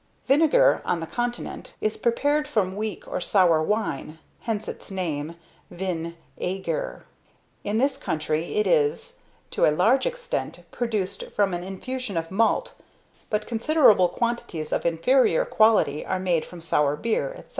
Vinegar, on the continent, is prepared from weak or sour wine, hence its name (~vin aigre.~) In this country it is, to a large extent, produced from an infusion of malt, but considerable quantities of inferior quality are made from sour beer, etc.